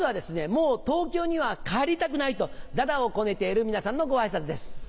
もう東京には帰りたくないと駄々をこねている皆さんのご挨拶です。